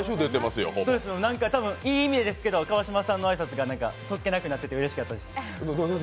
いい意味でですけど、川島さんの挨拶がそっけなくなっていてうれしかったです。